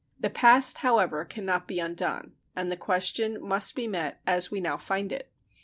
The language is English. The past, however, can not be undone, and the question must be met as we now find it.